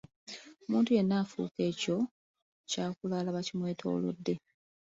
Omuntu yenna afuuka ekyo ky'akula alaba kimwetoolodde.